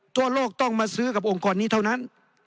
ทั่วโลกต้องมาซื้อกับองค์กรนี้เท่านั้น